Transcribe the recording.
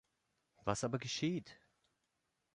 Was aber geschieht?